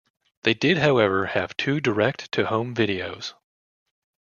They did however have two direct to home videos.